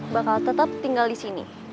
bakal tetap tinggal disini